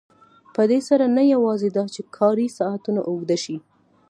په دې سره نه یوازې دا چې کاري ساعتونه اوږده شي